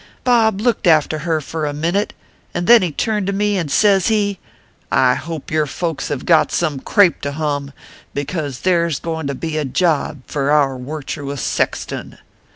Bob looked after her for a minit, and then he turned to me, and sez he : I hope your folks have got some crape to hum ; because there s goin to be a job fur our wirtuous sexton.